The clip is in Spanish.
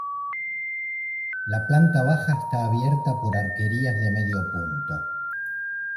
La planta baja está abierta por arquerías de medio punto.